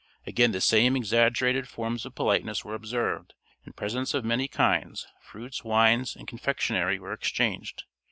Again the same exaggerated forms of politeness were observed, and presents of many kinds, fruits, wines, and confectionery, were exchanged.